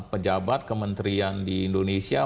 pejabat kementerian di indonesia